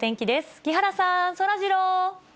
木原さん、そらジロー。